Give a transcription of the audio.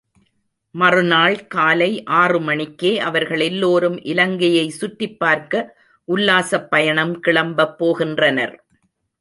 மறுநாள் காலை ஆறு மணிக்கே அவர்கள் எல்லோரும் இலங்கையை சுற்றிப்பார்க்க உல்லாசப் பயணம் கிளம்பப் போகின்றனர்.